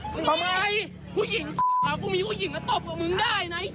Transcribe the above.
ทำไมผู้หญิงกูมีผู้หญิงมาตบกับมึงได้นะ